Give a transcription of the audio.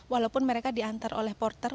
walaupun mereka diantar oleh porter